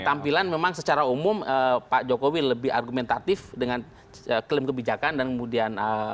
tampilan memang secara umum pak jokowi lebih argumentatif dengan klaim kebijakan dan kemudian